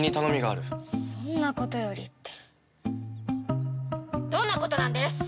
「そんなことより」ってどんなことなんです！？